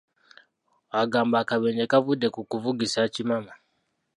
Agamba akabenje kavudde ku kuvugisa kimama.